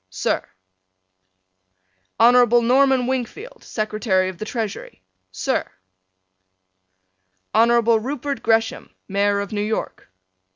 Sir: Hon. Norman Wingfield, Secretary of the Treasury. Sir: Hon. Rupert Gresham, Mayor of New York.